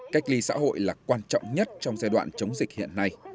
cách ly xã hội là quan trọng nhất trong giai đoạn chống dịch hiện nay